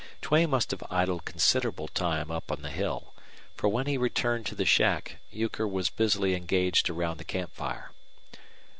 Duane must have idled considerable time up on the hill, for when he returned to the shack Euchre was busily engaged around the camp fire.